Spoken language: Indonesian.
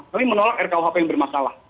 kami menolak rkuhp yang bermasalah